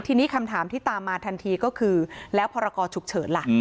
ทีนี้คำถามที่ตามมาทันทีก็คือแล้วพรกรฉุกเฉินล่ะ